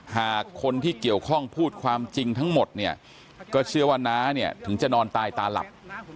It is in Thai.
หากคนที่เกี่ยวข้องพูดความจริงทั้งหมดเนี่ยก็เชื่อว่าน้าเนี่ยถึงจะนอนตายตาหลับ